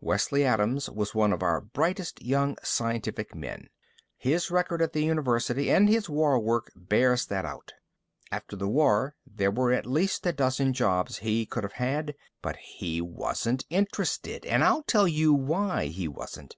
"Wesley Adams was one of our brightest young scientific men. His record at the university and his war work bears that out. After the war, there were at least a dozen jobs he could have had. But he wasn't interested. And I'll tell you why he wasn't.